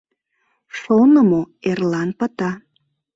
Шонымо эрлан пыта.